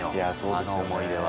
あの思い出は。